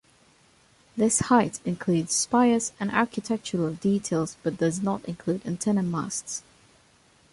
This height includes spires and architectural details but does not include antenna masts.